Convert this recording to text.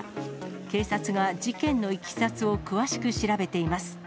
警察が事件のいきさつを詳しく調べています。